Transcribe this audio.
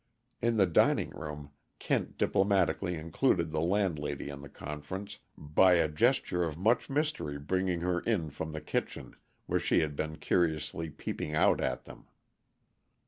In the dining room, Kent diplomatically included the landlady in the conference, by a gesture of much mystery bringing her in from the kitchen, where she had been curiously peeping out at them.